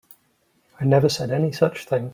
I never said any such thing.